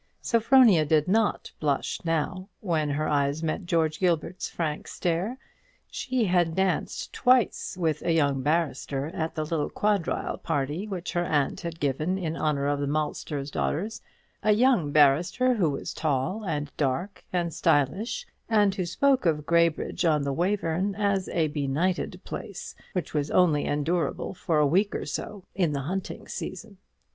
Sophronia did not blush now when her eyes met George Gilbert's frank stare. She had danced twice with a young barrister at the little quadrille party which her aunt had given in honour of the maltster's daughters; a young barrister who was tall and dark and stylish, and who spoke of Graybridge on the Wayverne as a benighted place, which was only endurable for a week or so in the hunting season.